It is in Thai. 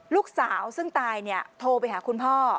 ลูกสาวซึ่งตายเนี่ยโทรไปหาคุณพ่อ